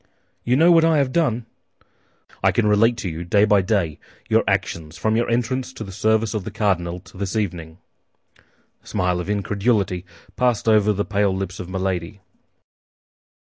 "You know what I have done?" "I can relate to you, day by day, your actions from your entrance to the service of the cardinal to this evening." A smile of incredulity passed over the pale lips of Milady.